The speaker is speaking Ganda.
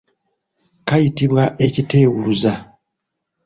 Kayitibwa ekiteewuluza.